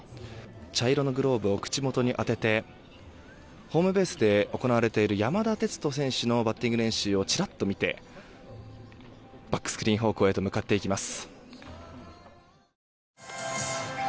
茶色のグローブを口持ちに当ててホームベースで行われている山田哲人選手のバッティング練習をちらっと見てバックスクリーン方向へと向かっていきます。